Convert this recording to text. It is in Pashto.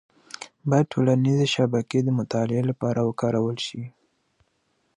باید ټولنیز شبکې د مطالعې لپاره وکارول شي.